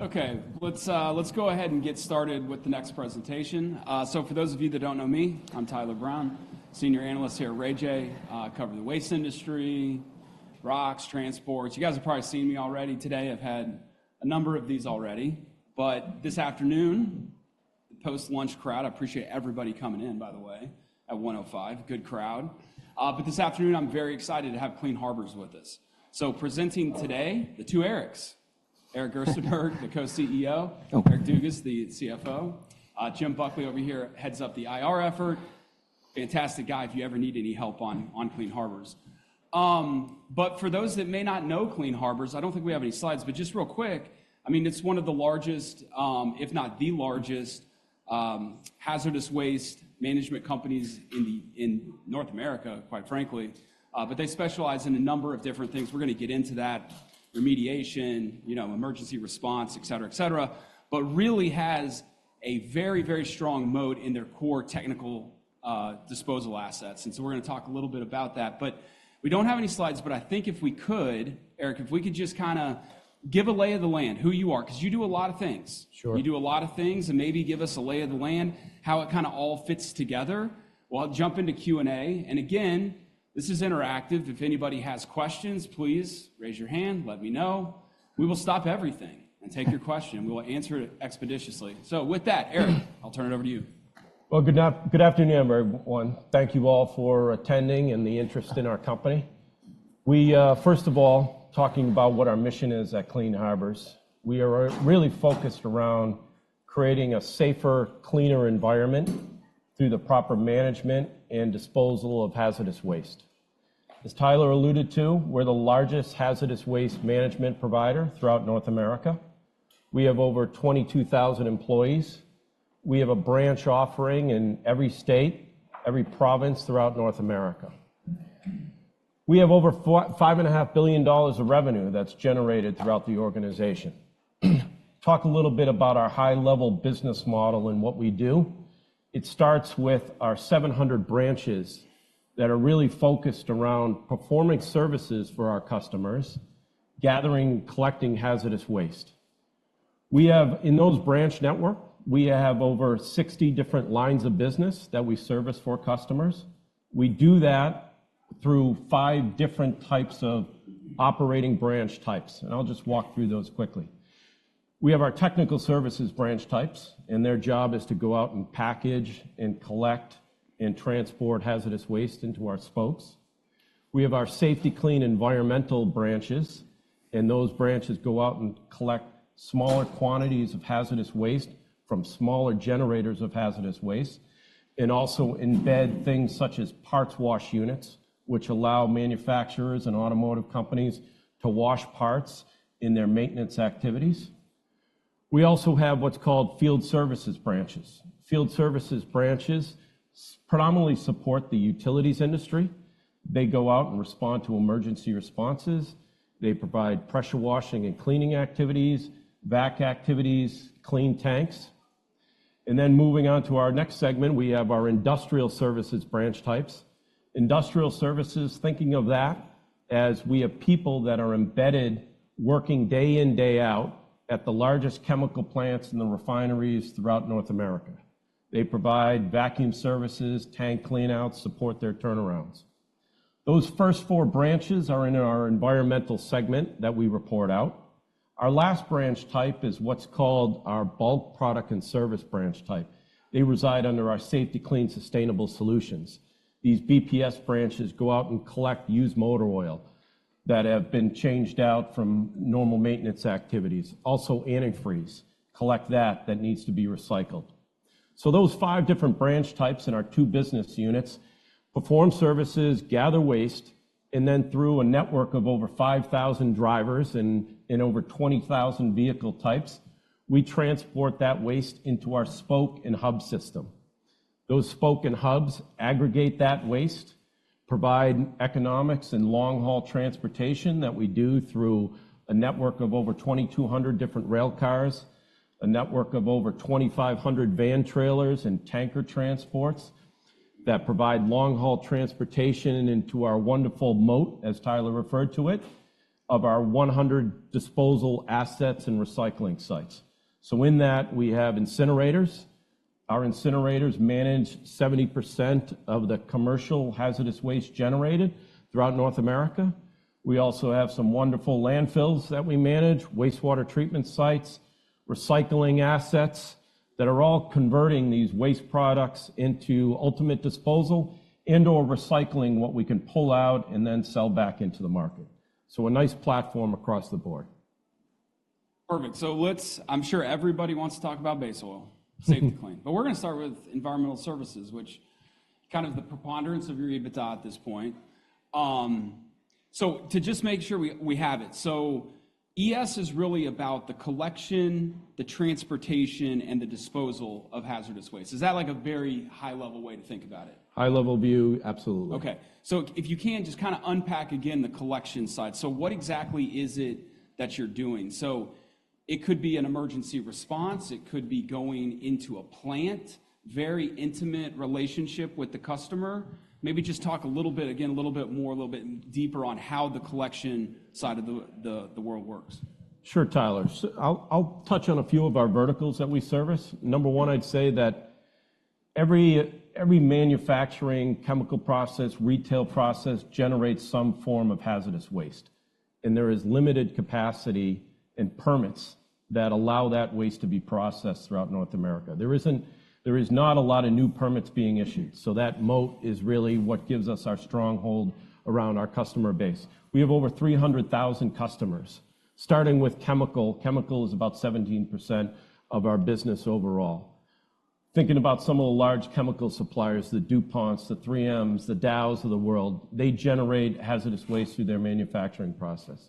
Okay, let's go ahead and get started with the next presentation. So for those of you that don't know me, I'm Tyler Brown, Senior Analyst here at RayJay. I cover the waste industry, rocks, transports. You guys have probably seen me already today. I've had a number of these already, but this afternoon, post-lunch crowd, I appreciate everybody coming in, by the way, at 1:05 P.M. Good crowd. But this afternoon I'm very excited to have Clean Harbors with us. So presenting today, the two Erics: Eric Gerstenberg, the Co-CEO- Hello Eric Dugas, the CFO. Jim Buckley over here heads up the IR effort. Fantastic guy if you ever need any help on Clean Harbors. But for those that may not know Clean Harbors, I don't think we have any slides, but just real quick, I mean, it's one of the largest, if not the largest, hazardous waste management companies in North America, quite frankly. But they specialize in a number of different things. We're gonna get into that. Remediation, you know, emergency response, et cetera, et cetera, but really has a very, very strong moat in their core technical disposal assets, and so we're gonna talk a little bit about that. But we don't have any slides, but I think if we could, Eric, if we could just kinda give a lay of the land, who you are, 'cause you do a lot of things. Sure. You do a lot of things, and maybe give us a lay of the land, how it kinda all fits together. We'll jump into Q&A. Again, this is interactive. If anybody has questions, please raise your hand, let me know. We will stop everything and take your question, and we'll answer it expeditiously. With that, Eric, I'll turn it over to you. Well, good afternoon, everyone. Thank you all for attending and the interest in our company. We, first of all, talking about what our mission is at Clean Harbors, we are really focused around creating a safer, cleaner environment through the proper management and disposal of hazardous waste. As Tyler alluded to, we're the largest hazardous waste management provider throughout North America. We have over 22,000 employees. We have a branch offering in every state, every province throughout North America. We have over $5.5 billion of revenue that's generated throughout the organization. Talk a little bit about our high-level business model and what we do. It starts with our 700 branches that are really focused around performing services for our customers, gathering, collecting hazardous waste. We have... In those branch network, we have over 60 different lines of business that we service for customers. We do that through 5 different types of operating branch types, and I'll just walk through those quickly. We have our Technical Services branch types, and their job is to go out and package and collect and transport hazardous waste into our spokes. We have our Safety-Kleen Environmental branches, and those branches go out and collect smaller quantities of hazardous waste from smaller generators of hazardous waste and also embed things such as parts wash units, which allow manufacturers and automotive companies to wash parts in their maintenance activities. We also have what's called Field Services branches. Field Services branches predominantly support the utilities industry. They go out and respond to emergency responses. They provide pressure washing and cleaning activities, vac activities, clean tanks. And then moving on to our next segment, we have our Industrial Services branch types. Industrial Services, thinking of that as we have people that are embedded, working day in, day out at the largest chemical plants and the refineries throughout North America. They provide vacuum services, tank clean-out, support their turnarounds. Those first four branches are in our Environmental Services segment that we report out. Our last branch type is what's called our bulk product and service branch type. They reside under our Safety-Kleen Sustainability Solutions. These BPS branches go out and collect used motor oil that have been changed out from normal maintenance activities. Also, antifreeze, collect that, that needs to be recycled. So those five different branch types in our two business units perform services, gather waste, and then through a network of over 5,000 drivers and over 20,000 vehicle types, we transport that waste into our spoke and hub system. Those spoke and hubs aggregate that waste, provide economics and long-haul transportation that we do through a network of over 2,200 different rail cars, a network of over 2,500 van trailers and tanker transports that provide long-haul transportation and into our wonderful moat, as Tyler referred to it, of our 100 disposal assets and recycling sites. So in that, we have incinerators. Our incinerators manage 70% of the commercial hazardous waste generated throughout North America. We also have some wonderful landfills that we manage, wastewater treatment sites, recycling assets, that are all converting these waste products into ultimate disposal and/or recycling what we can pull out and then sell back into the market. So a nice platform across the board. Perfect. So let's. I'm sure everybody wants to talk about base oil, Safety-Kleen. But we're gonna start with environmental services, which kind of the preponderance of your EBITDA at this point. So to just make sure we have it, so ES is really about the collection, the transportation, and the disposal of hazardous waste. Is that, like, a very high-level way to think about it? High-level view, absolutely. Okay. So if you can, just kinda unpack again the collection side. So what exactly is it that you're doing? So it could be an emergency response, it could be going into a plant, very intimate relationship with the customer. Maybe just talk a little bit, again, a little bit more, a little bit deeper on how the collection side of the world works. Sure, Tyler. I'll touch on a few of our verticals that we service. Number one, I'd say that every manufacturing, chemical process, retail process generates some form of hazardous waste, and there is limited capacity and permits that allow that waste to be processed throughout North America. There is not a lot of new permits being issued, so that moat is really what gives us our stronghold around our customer base. We have over 300,000 customers, starting with chemical. Chemical is about 17% of our business overall. Thinking about some of the large chemical suppliers, the DuPonts, the 3Ms, the Dows of the world, they generate hazardous waste through their manufacturing process.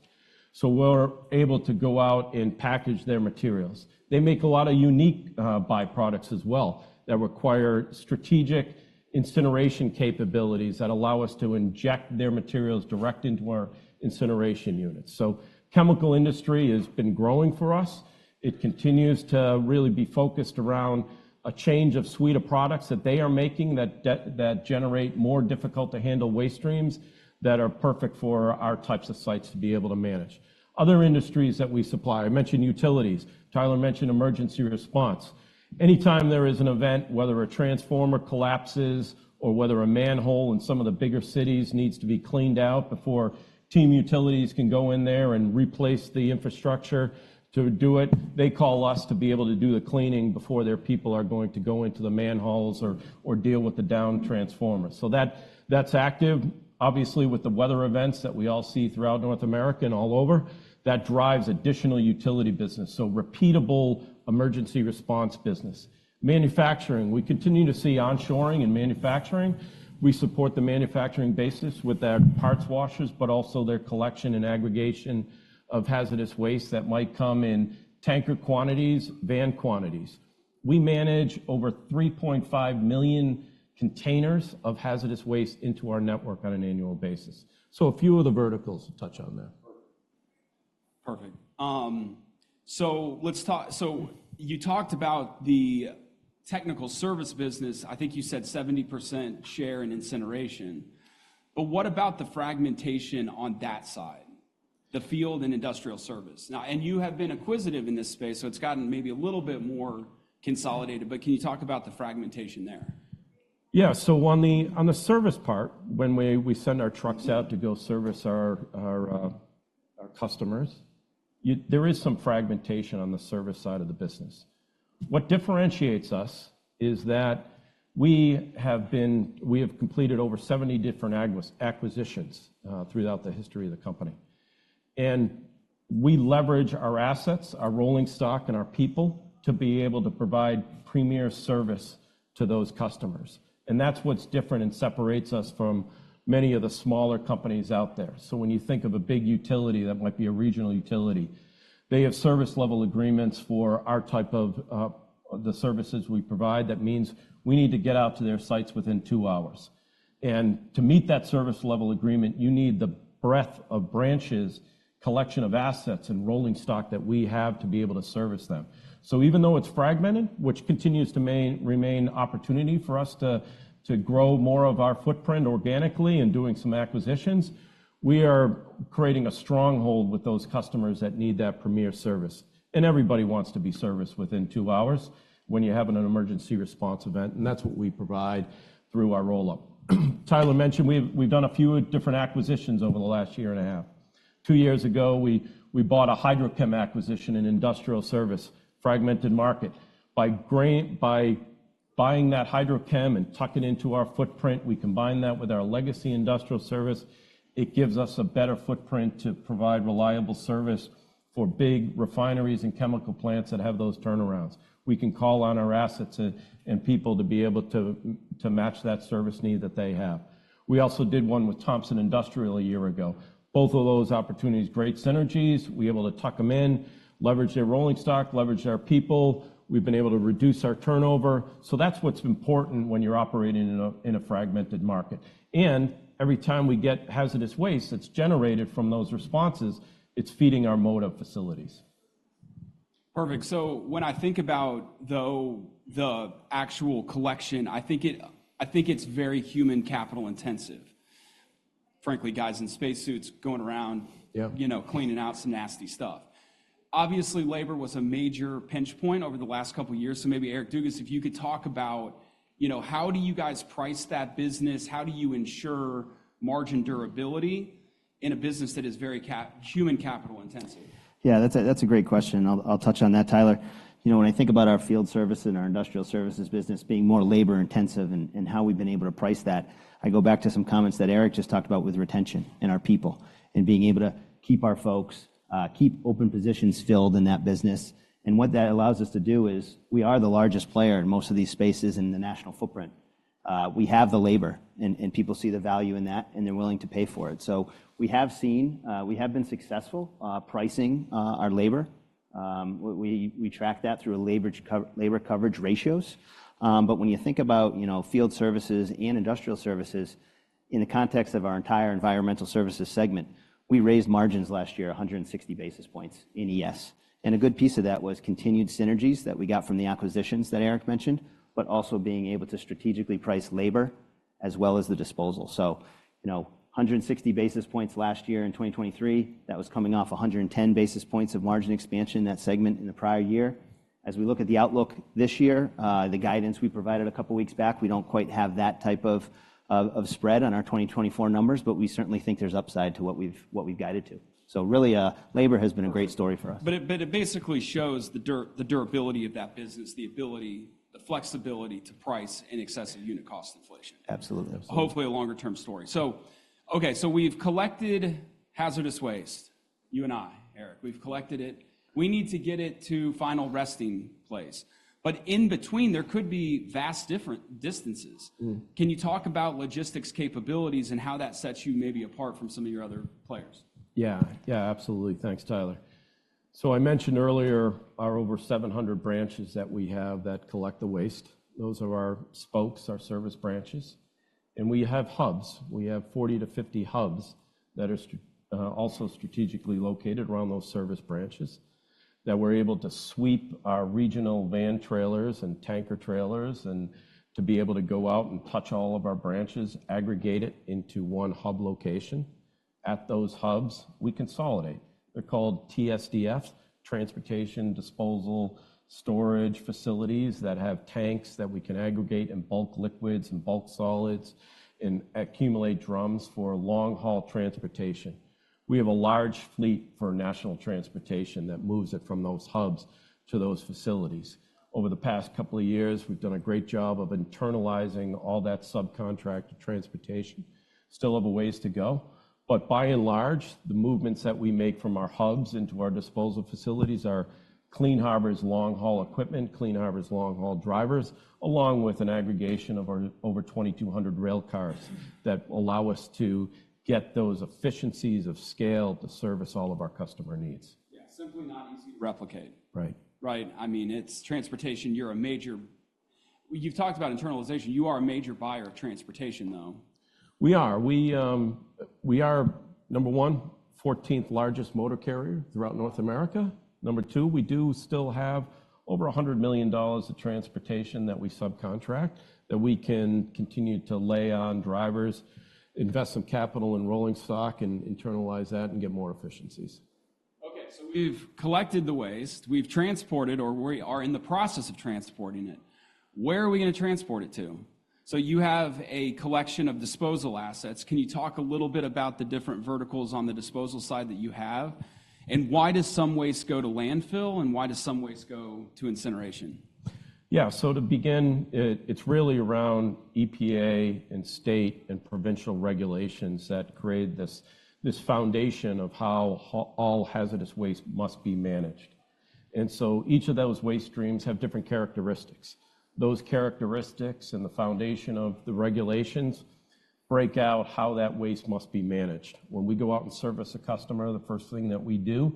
So we're able to go out and package their materials. They make a lot of unique byproducts as well, that require strategic incineration capabilities that allow us to inject their materials direct into our incineration units. So chemical industry has been growing for us. It continues to really be focused around a change of suite of products that they are making, that generate more difficult-to-handle waste streams that are perfect for our types of sites to be able to manage. Other industries that we supply, I mentioned utilities. Tyler mentioned emergency response. Anytime there is an event, whether a transformer collapses or whether a manhole in some of the bigger cities needs to be cleaned out before the utilities can go in there and replace the infrastructure to do it, they call us to be able to do the cleaning before their people are going to go into the manholes or deal with the downed transformer. So that's active. Obviously, with the weather events that we all see throughout North America and all over, that drives additional utility business, so repeatable emergency response business. Manufacturing, we continue to see onshoring in manufacturing. We support the manufacturing bases with their parts washers, but also their collection and aggregation of hazardous waste that might come in tanker quantities, van quantities. We manage over 3.5 million containers of hazardous waste into our network on an annual basis. So a few of the verticals to touch on there. Perfect. So let's talk. So you talked about the Technical Service business. I think you said 70% share in incineration, but what about the fragmentation on that side, the field and industrial service? Now—and you have been acquisitive in this space, so it's gotten maybe a little bit more consolidated, but can you talk about the fragmentation there? Yeah. So on the, on the service part, when we, we send our trucks out to go service our, our, our customers, there is some fragmentation on the service side of the business. What differentiates us is that we have completed over 70 different acquisitions throughout the history of the company. And we leverage our assets, our rolling stock, and our people to be able to provide premier service to those customers, and that's what's different and separates us from many of the smaller companies out there. So when you think of a big utility, that might be a regional utility, they have service level agreements for our type of, the services we provide. That means we need to get out to their sites within two hours. And to meet that service level agreement, you need the breadth of branches, collection of assets, and rolling stock that we have to be able to service them. So even though it's fragmented, which continues to remain opportunity for us to grow more of our footprint organically and doing some acquisitions, we are creating a stronghold with those customers that need that premier service. And everybody wants to be serviced within two hours when you're having an emergency response event, and that's what we provide through our roll-up. Tyler mentioned we've done a few different acquisitions over the last year and a half. Two years ago, we bought a HydroChemPSC acquisition, an industrial service, fragmented market. By buying that HydroChemPSC and tucking into our footprint, we combine that with our legacy industrial service. It gives us a better footprint to provide reliable service for big refineries and chemical plants that have those turnarounds. We can call on our assets and people to be able to match that service need that they have. We also did one with Thompson Industrial a year ago. Both of those opportunities, great synergies. We're able to tuck them in, leverage their rolling stock, leverage their people. We've been able to reduce our turnover. So that's what's important when you're operating in a fragmented market. And every time we get hazardous waste that's generated from those responses, it's feeding our moat of facilities. Perfect. So when I think about, though, the actual collection, I think it, I think it's very human capital intensive. Frankly, guys in spacesuits going around- Yeah you know, cleaning out some nasty stuff. Obviously, labor was a major pinch point over the last couple of years. So maybe, Eric Dugas, if you could talk about, you know, how do you guys price that business? How do you ensure margin durability in a business that is very human capital intensive? Yeah, that's a great question, and I'll touch on that, Tyler. You know, when I think about our Field Service and our Industrial Services business being more labor intensive and how we've been able to price that, I go back to some comments that Eric just talked about with retention and our people and being able to keep our folks, keep open positions filled in that business. And what that allows us to do is, we are the largest player in most of these spaces in the national footprint. We have the labor, and people see the value in that, and they're willing to pay for it. So we have seen, we have been successful pricing our labor. We track that through labor coverage ratios. But when you think about, you know, Field Services and industrial services in the context of our entire Environmental Services segment, we raised margins last year 160 basis points in ES. And a good piece of that was continued synergies that we got from the acquisitions that Eric mentioned, but also being able to strategically price labor.... as well as the disposal. So, you know, 160 basis points last year in 2023, that was coming off 110 basis points of margin expansion in that segment in the prior year. As we look at the outlook this year, the guidance we provided a couple of weeks back, we don't quite have that type of, of, of spread on our 2024 numbers, but we certainly think there's upside to what we've, what we've guided to. So really, labor has been a great story for us. But it basically shows the durability of that business, the ability, the flexibility to price in excess of unit cost inflation. Absolutely. Absolutely. Hopefully, a longer-term story. So, okay, so we've collected hazardous waste, you and I, Eric. We've collected it. We need to get it to final resting place, but in between, there could be vast different distances. Mm. Can you talk about logistics capabilities and how that sets you maybe apart from some of your other players? Yeah. Yeah, absolutely. Thanks, Tyler. So I mentioned earlier our over 700 branches that we have that collect the waste. Those are our spokes, our service branches, and we have hubs. We have 40-50 hubs that are also strategically located around those service branches, that we're able to sweep our regional van trailers and tanker trailers and to be able to go out and touch all of our branches, aggregate it into one hub location. At those hubs, we consolidate. They're called TSDFs, Treatment, Storage, and Disposal Facilities, that have tanks that we can aggregate in bulk liquids and bulk solids and accumulate drums for long-haul transportation. We have a large fleet for national transportation that moves it from those hubs to those facilities. Over the past couple of years, we've done a great job of internalizing all that subcontract transportation. Still have a ways to go, but by and large, the movements that we make from our hubs into our disposal facilities are Clean Harbors long-haul equipment, Clean Harbors long-haul drivers, along with an aggregation of our over 2,200 rail cars that allow us to get those efficiencies of scale to service all of our customer needs. Yeah, simply not easy to replicate. Right. Right. I mean, it's transportation. You're a major... You've talked about internalization. You are a major buyer of transportation, though. We are. We, we are, 1, 14th largest motor carrier throughout North America. 2, we do still have over $100 million of transportation that we subcontract, that we can continue to lay on drivers, invest some capital in rolling stock, and internalize that and get more efficiencies. Okay, so we've collected the waste. We've transported, or we are in the process of transporting it. Where are we gonna transport it to? So you have a collection of disposal assets. Can you talk a little bit about the different verticals on the disposal side that you have, and why does some waste go to landfill, and why does some waste go to incineration? Yeah, so to begin, it's really around EPA and state and provincial regulations that create this foundation of how all hazardous waste must be managed. So each of those waste streams have different characteristics. Those characteristics and the foundation of the regulations break out how that waste must be managed. When we go out and service a customer, the first thing that we do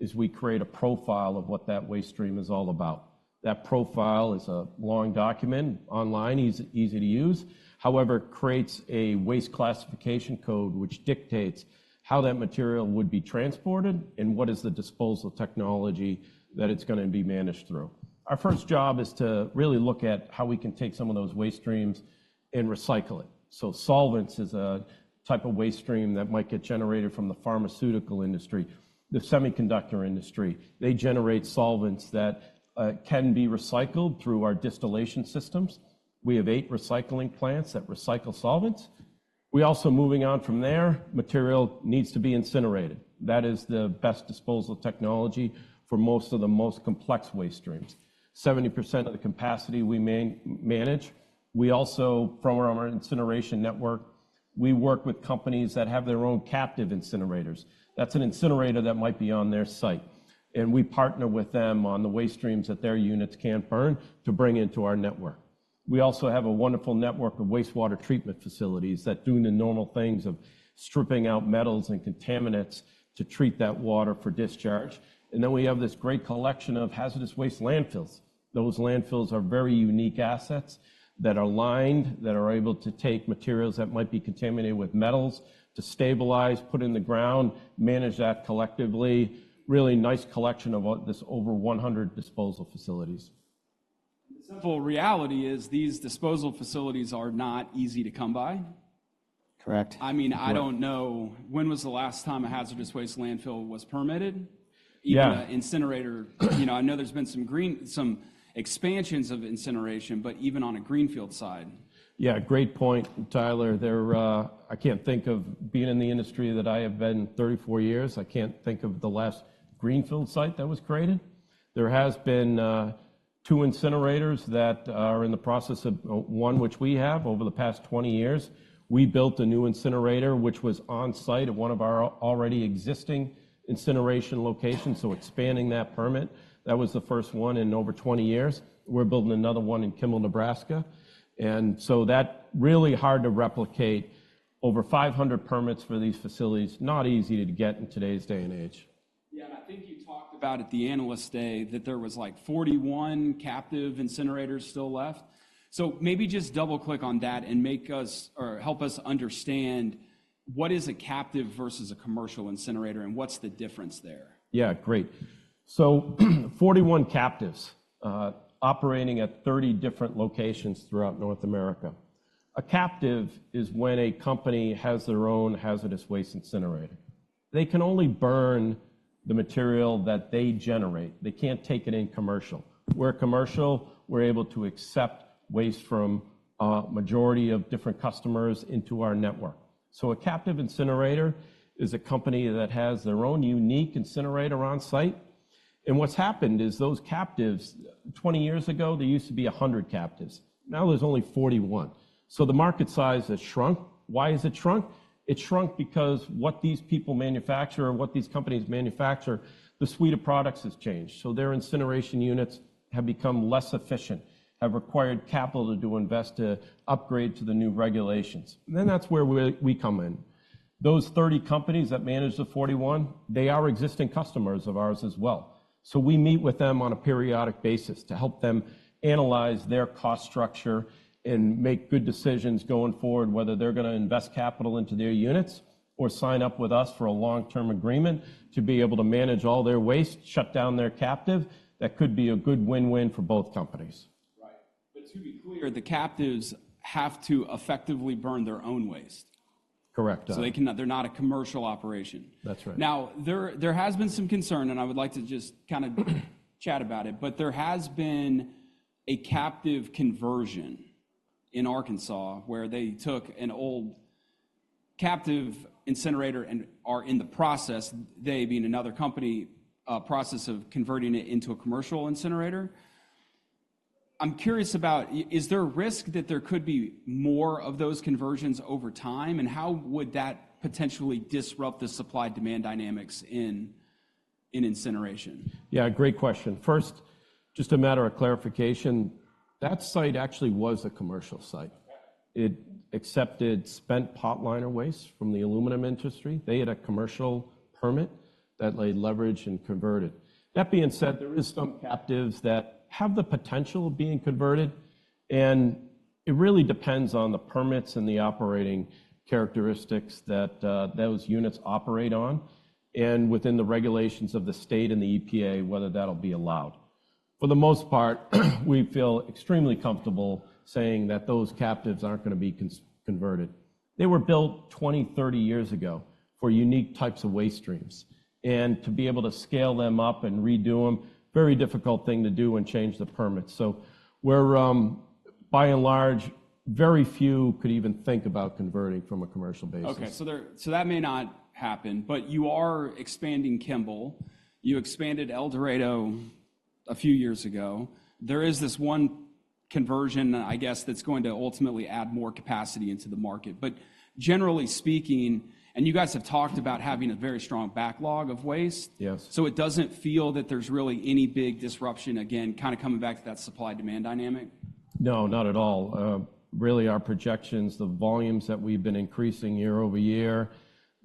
is we create a profile of what that waste stream is all about. That profile is a long document, online, easy to use. However, it creates a waste classification code, which dictates how that material would be transported and what is the disposal technology that it's gonna be managed through. Our first job is to really look at how we can take some of those waste streams and recycle it. So solvents is a type of waste stream that might get generated from the pharmaceutical industry, the semiconductor industry. They generate solvents that can be recycled through our distillation systems. We have eight recycling plants that recycle solvents. We also, moving on from there, material needs to be incinerated. That is the best disposal technology for most of the most complex waste streams. 70% of the capacity we manage, we also, from our incineration network, we work with companies that have their own captive incinerators. That's an incinerator that might be on their site, and we partner with them on the waste streams that their units can't burn to bring into our network. We also have a wonderful network of wastewater treatment facilities that do the normal things of stripping out metals and contaminants to treat that water for discharge. We have this great collection of hazardous waste landfills. Those landfills are very unique assets that are lined, that are able to take materials that might be contaminated with metals to stabilize, put in the ground, manage that collectively. Really nice collection of this over 100 disposal facilities. The simple reality is these disposal facilities are not easy to come by. Correct. I mean, I don't know, when was the last time a hazardous waste landfill was permitted? Yeah. Even an incinerator. You know, I know there's been some green- some expansions of incineration, but even on a greenfield side. Yeah, great point, Tyler. There, I can't think of... Being in the industry that I have been 34 years, I can't think of the last greenfield site that was created. There has been two incinerators that are in the process of one which we have over the past 20 years. We built a new incinerator, which was on-site at one of our already existing incineration locations, so expanding that permit. That was the first one in over 20 years. We're building another one in Kimball, Nebraska, and so that really hard to replicate. Over 500 permits for these facilities, not easy to get in today's day and age. Yeah, and I think you talked about at the Analyst Day that there was, like, 41 captive incinerators still left. So maybe just double-click on that and make us or help us understand what is a captive versus a commercial incinerator, and what's the difference there? Yeah, great. So 41 captives, operating at 30 different locations throughout North America. A captive is when a company has their own hazardous waste incinerator. They can only burn the material that they generate; they can't take it in commercial. We're commercial. We're able to accept waste from a majority of different customers into our network. So a captive incinerator is a company that has their own unique incinerator on site, and what's happened is those captives, 20 years ago, there used to be a hundred captives. Now, there's only 41. So the market size has shrunk. Why has it shrunk? It shrunk because what these people manufacture and what these companies manufacture, the suite of products has changed, so their incineration units have become less efficient, have required capital to invest to upgrade to the new regulations, and then that's where we, we come in. Those 30 companies that manage the 41, they are existing customers of ours as well. We meet with them on a periodic basis to help them analyze their cost structure and make good decisions going forward, whether they're gonna invest capital into their units or sign up with us for a long-term agreement to be able to manage all their waste, shut down their captive. That could be a good win-win for both companies. Right. But to be clear, the captives have to effectively burn their own waste. Correct. Uh- They cannot... They're not a commercial operation. That's right. Now, there has been some concern, and I would like to just kinda chat about it, but there has been a captive conversion in Arkansas, where they took an old captive incinerator and are in the process, "they" being another company, of converting it into a commercial incinerator. I'm curious about, is there a risk that there could be more of those conversions over time, and how would that potentially disrupt the supply-demand dynamics in incineration? Yeah, great question. First, just a matter of clarification, that site actually was a commercial site. Yeah. It accepted spent potliner waste from the aluminum industry. They had a commercial permit that they leveraged and converted. That being said, there is some captives that have the potential of being converted, and it really depends on the permits and the operating characteristics that those units operate on and within the regulations of the state and the EPA, whether that'll be allowed. For the most part, we feel extremely comfortable saying that those captives aren't gonna be converted. They were built 20, 30 years ago for unique types of waste streams, and to be able to scale them up and redo them, very difficult thing to do and change the permits. So we're... By and large, very few could even think about converting from a commercial basis. Okay, so that may not happen, but you are expanding Kimball. You expanded El Dorado a few years ago. There is this one conversion, I guess, that's going to ultimately add more capacity into the market. But generally speaking, and you guys have talked about having a very strong backlog of waste- Yes. So it doesn't feel that there's really any big disruption, again, kinda coming back to that supply-demand dynamic? No, not at all. Really, our projections, the volumes that we've been increasing year over year,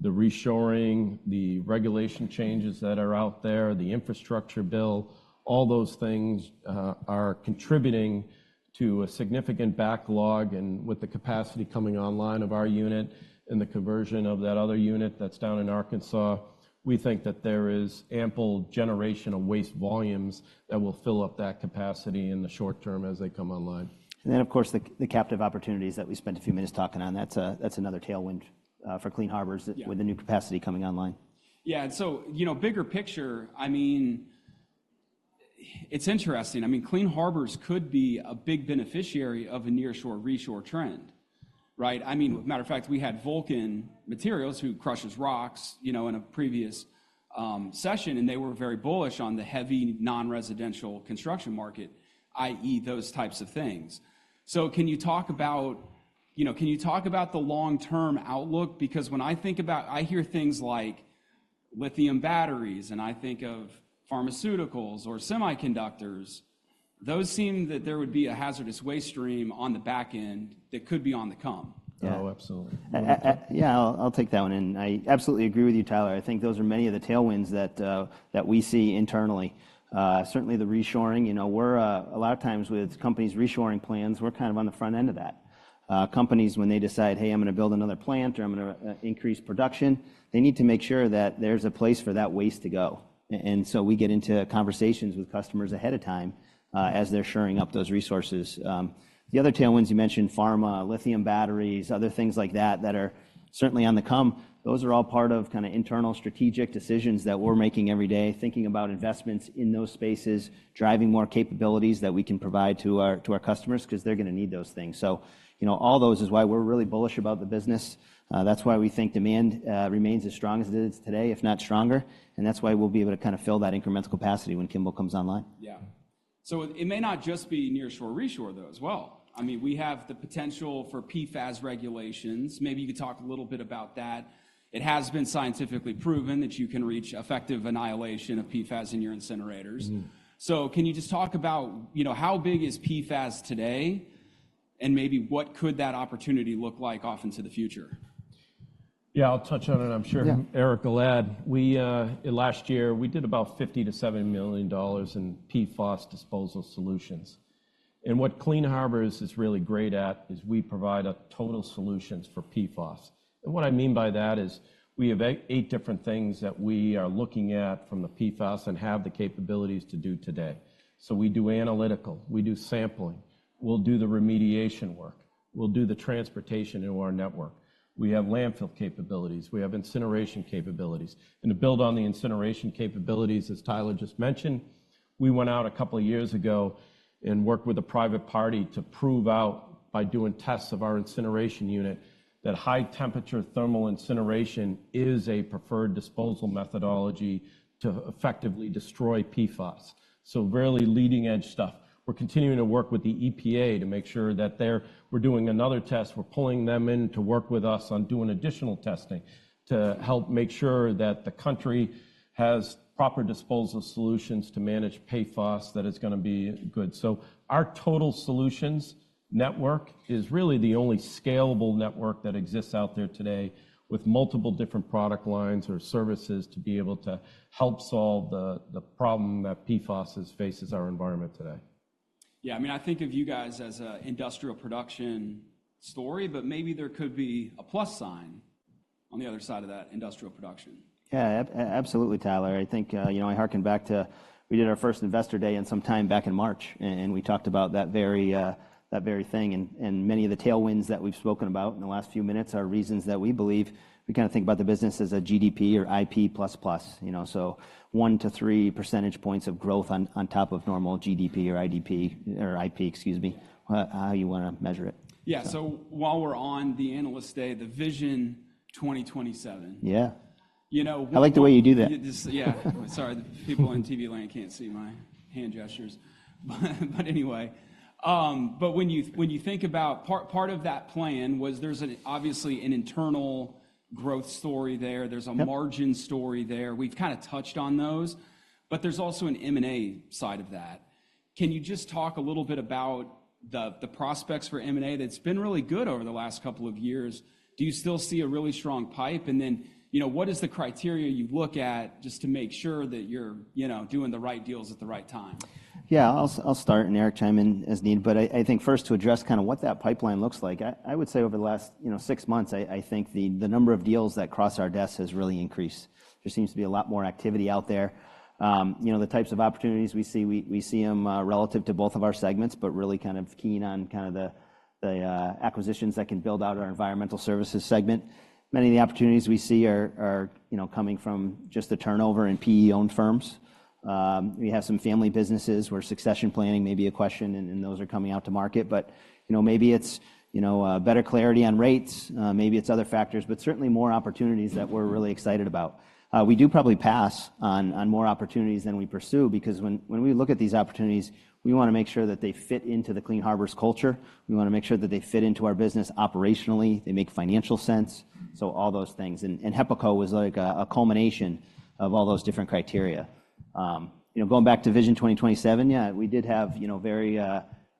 the reshoring, the regulation changes that are out there, the infrastructure bill, all those things, are contributing to a significant backlog, and with the capacity coming online of our unit and the conversion of that other unit that's down in Arkansas, we think that there is ample generation of waste volumes that will fill up that capacity in the short term as they come online. And then, of course, the captive opportunities that we spent a few minutes talking on, that's a, that's another tailwind for Clean Harbors- Yeah... with the new capacity coming online. Yeah. And so, you know, bigger picture, I mean, it's interesting. I mean, Clean Harbors could be a big beneficiary of a nearshore/reshore trend, right? I mean, matter of fact, we had Vulcan Materials, who crushes rocks, you know, in a previous session, and they were very bullish on the heavy non-residential construction market, i.e., those types of things. So can you talk about... You know, can you talk about the long-term outlook? Because when I think about-- I hear things like lithium batteries, and I think of pharmaceuticals or semiconductors, those seem that there would be a hazardous waste stream on the back end that could be on the come. Oh, absolutely. Yeah, I'll take that one, and I absolutely agree with you, Tyler. I think those are many of the tailwinds that that we see internally. Certainly, the reshoring, you know, we're a lot of times, with companies' reshoring plans, we're kind of on the front end of that. Companies, when they decide, "Hey, I'm gonna build another plant," or, "I'm gonna increase production," they need to make sure that there's a place for that waste to go. And so we get into conversations with customers ahead of time, as they're shoring up those resources. The other tailwinds you mentioned, pharma, lithium batteries, other things like that that are certainly on the come, those are all part of kinda internal strategic decisions that we're making every day, thinking about investments in those spaces, driving more capabilities that we can provide to our, to our customers, 'cause they're gonna need those things. So, you know, all those is why we're really bullish about the business. That's why we think demand remains as strong as it is today, if not stronger, and that's why we'll be able to kinda fill that incremental capacity when Kimball comes online. Yeah. So it may not just be nearshore/reshore, though, as well. I mean, we have the potential for PFAS regulations. Maybe you could talk a little bit about that. It has been scientifically proven that you can reach effective annihilation of PFAS in your incinerators. Mm. Can you just talk about, you know, how big is PFAS today, and maybe what could that opportunity look like off into the future? Yeah, I'll touch on it. I'm sure- Yeah... Eric will add. We, last year, we did about $50 million-$70 million in PFAS disposal solutions. And what Clean Harbors is really great at is we provide a total solutions for PFAS. And what I mean by that is we have eight different things that we are looking at from the PFAS and have the capabilities to do today. So we do analytical, we do sampling, we'll do the remediation work, we'll do the transportation into our network. We have landfill capabilities, we have incineration capabilities. And to build on the incineration capabilities, as Tyler just mentioned, we went out a couple of years ago and worked with a private party to prove out, by doing tests of our incineration unit, that high-temperature thermal incineration is a preferred disposal methodology to effectively destroy PFAS. So really leading-edge stuff. We're continuing to work with the EPA to make sure that they're - we're doing another test. We're pulling them in to work with us on doing additional testing to help make sure that the country has proper disposal solutions to manage PFAS, that it's gonna be good. So our total solutions network is really the only scalable network that exists out there today with multiple different product lines or services to be able to help solve the problem that PFAS faces our environment today. Yeah, I mean, I think of you guys as an industrial production story, but maybe there could be a plus sign on the other side of that industrial production. Yeah, absolutely, Tyler. I think, you know, I harken back to... We did our first Investor Day in some time back in March, and we talked about that very, that very thing. And many of the tailwinds that we've spoken about in the last few minutes are reasons that we believe. We kind of think about the business as a GDP or IP plus plus, you know, so 1-3 percentage points of growth on top of normal GDP or IDP, or IP, excuse me, however you want to measure it. Yeah. So while we're on the Analyst Day, the Vision 2027. Yeah. You know- I like the way you do that. Yeah. Sorry, the people in TV land can't see my hand gestures. But anyway, but when you think about part of that plan was there's obviously an internal growth story there. Yep. There's a margin story there. We've kind of touched on those, but there's also an M&A side of that. Can you just talk a little bit about the prospects for M&A? That's been really good over the last couple of years. Do you still see a really strong pipe? And then, you know, what is the criteria you look at just to make sure that you're, you know, doing the right deals at the right time? Yeah, I'll start, and Eric chime in as needed. But I think first to address kind of what that pipeline looks like, I would say over the last, you know, six months, I think the number of deals that cross our desks has really increased. There seems to be a lot more activity out there. You know, the types of opportunities we see, we see them relative to both of our segments, but really kind of keen on kind of the acquisitions that can build out our Environmental Services segment. Many of the opportunities we see are, you know, coming from just the turnover in PE-owned firms. We have some family businesses where succession planning may be a question, and those are coming out to market. But, you know, maybe it's, you know, better clarity on rates, maybe it's other factors, but certainly more opportunities that we're really excited about. We do probably pass on more opportunities than we pursue, because when we look at these opportunities, we wanna make sure that they fit into the Clean Harbors culture. We wanna make sure that they fit into our business operationally, they make financial sense. So all those things. And HEPACO was like a culmination of all those different criteria. You know, going back to Vision 2027, yeah, we did have, you know, very,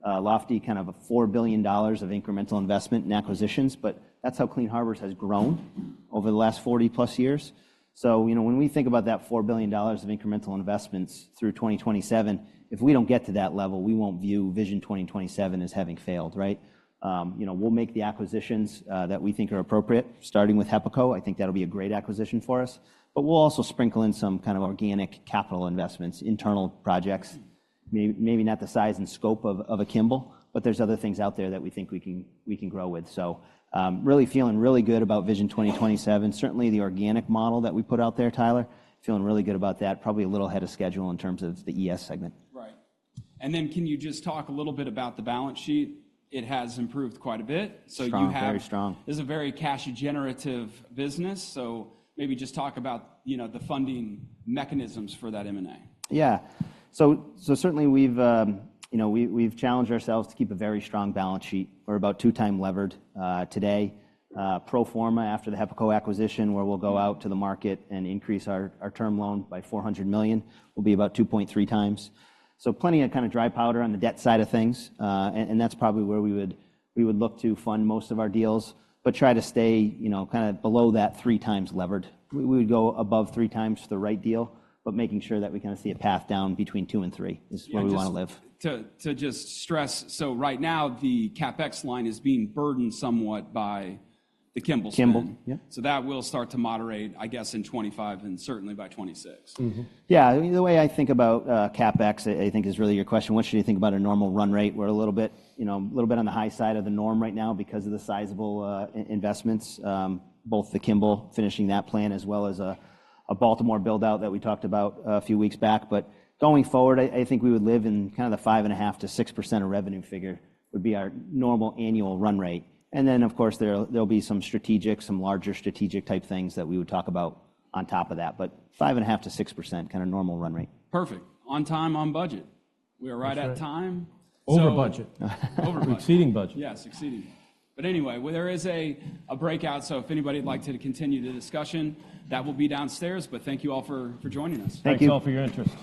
lofty, kind of a $4 billion of incremental investment in acquisitions, but that's how Clean Harbors has grown over the last 40+ years. So, you know, when we think about that $4 billion of incremental investments through 2027, if we don't get to that level, we won't view Vision 2027 as having failed, right? You know, we'll make the acquisitions that we think are appropriate, starting with HEPACO. I think that'll be a great acquisition for us. But we'll also sprinkle in some kind of organic capital investments, internal projects, maybe not the size and scope of a Kimball, but there's other things out there that we think we can grow with. So, really feeling really good about Vision 2027. Certainly, the organic model that we put out there, Tyler, feeling really good about that. Probably a little ahead of schedule in terms of the ES segment. Right. Then, can you just talk a little bit about the balance sheet? It has improved quite a bit. So you have- Strong. Very strong. This is a very cash generative business, so maybe just talk about, you know, the funding mechanisms for that M&A. Yeah. So, so certainly we've, you know, we, we've challenged ourselves to keep a very strong balance sheet. We're about 2x levered, today. Pro forma, after the HEPACO acquisition, where we'll go out to the market and increase our, our term loan by $400 million, will be about 2.3 times. So plenty of kind of dry powder on the debt side of things, and, and that's probably where we would, we would look to fund most of our deals, but try to stay, you know, kind of below that 3 times levered. We, we would go above 3 times for the right deal, but making sure that we kind of see a path down between 2 and 3- Yeah, just- is where we wanna live. To just stress, so right now, the CapEx line is being burdened somewhat by the Kimball's- Kimball, yeah. That will start to moderate, I guess, in 2025 and certainly by 2026. Mm-hmm. Yeah, I mean, the way I think about CapEx, I think, is really your question. What should you think about a normal run rate? We're a little bit, you know, a little bit on the high side of the norm right now because of the sizable investments, both the Kimball, finishing that plan, as well as a Baltimore build-out that we talked about a few weeks back. But going forward, I think we would live in kind of the 5.5%-6% of revenue figure, would be our normal annual run rate. And then, of course, there'll be some strategic, some larger strategic-type things that we would talk about on top of that. But 5.5%-6%, kind of normal run rate. Perfect. On time, on budget. That's right. We are right at time. Over budget. Over budget. Exceeding budget. Yeah, succeeding. But anyway, well, there is a breakout, so if anybody'd like to continue the discussion, that will be downstairs. But thank you all for joining us. Thank you. Thank you all for your interest.